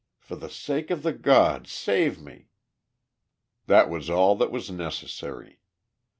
For the sake of the God, save me!" That was all that was necessary.